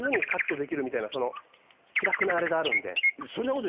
気楽なあれがあるんで。